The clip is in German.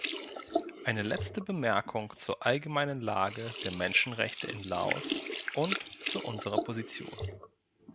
Eine letzte Bemerkung zur allgemeinen Lage der Menschenrechte in Laos und zu unserer Position.